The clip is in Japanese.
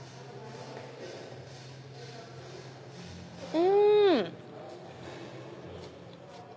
うん！